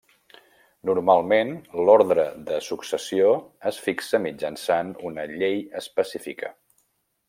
Normalment l'ordre de successió es fixa mitjançant una llei específica.